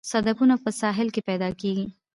صدفونه په ساحل کې پیدا کیږي